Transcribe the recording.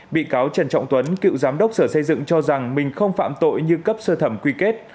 bị cáo trần trọng tuấn cựu giám đốc sở xây dựng cho rằng mình không phạm tội như cấp sơ thẩm quy kết